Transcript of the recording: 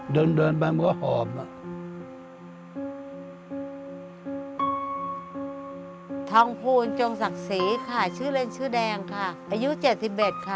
ทองพูนจงศักดิ์ศรีค่ะชื่อเล่นชื่อแดงค่ะ